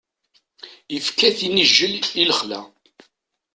Ifka-t inijjel i lexla.